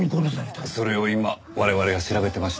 それを今我々が調べてまして。